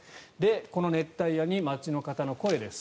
この熱帯夜に、街の方の声です。